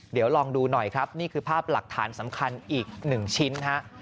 เดี๋ยวลองดูหน่อยครับนี่คือภาพหลักฐานสำคัญอีก๑ชิ้นฮะ